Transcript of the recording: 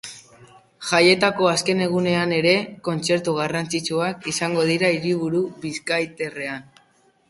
Jaietako azken egunean ere, kontzertu garrantzitsuak izango dira hiriburu bizkaitarrean.